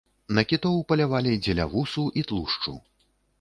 На кітоў палявалі дзеля вусу і тлушчу.